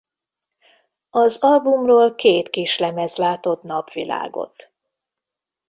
Az albumról két kislemez látott napvilágot.